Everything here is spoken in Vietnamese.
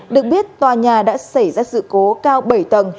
được biết tòa nhà đã xảy ra sự cố cao bảy tầng